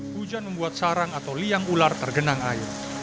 hujan membuat sarang atau liang ular tergenang air